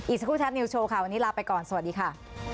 สักครู่แท็บนิวโชว์ค่ะวันนี้ลาไปก่อนสวัสดีค่ะ